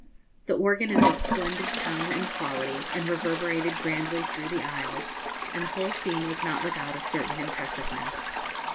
The organ is of splendid tone and quality and reverberated grandly through the aisles, and the whole scene was not without a certain impressiveness.